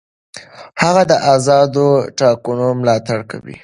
هغه د آزادو ټاکنو ملاتړ کوي.